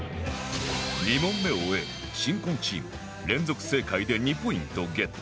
２問目を終え新婚チーム連続正解で２ポイントゲット